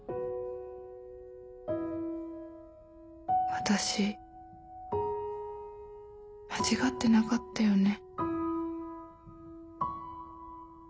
「私間違ってなかったよね？」。